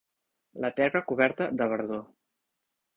La terra coberta de verdor.